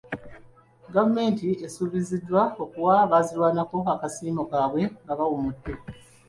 Gavumenti esuubizza okuwa abaazirwanako akasiimo kaabwe nga bawummudde.